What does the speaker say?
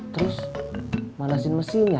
terus manasin mesinnya